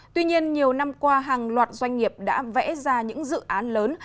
tuy nhiên nhiều năm qua hàng loạt doanh nghiệp đã vẽ ra những dự án lớn